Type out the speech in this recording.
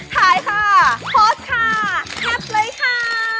ถ่ายค่ะโพสต์ค่ะแคบเลยค่าาาาา